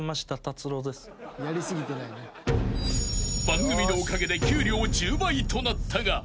［番組のおかげで給料１０倍となったが］